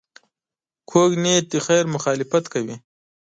کوږ نیت د خیر مخالفت کوي